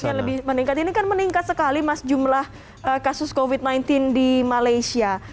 kasusnya lebih meningkat ini kan meningkat sekali mas jumlah kasus covid sembilan belas di malaysia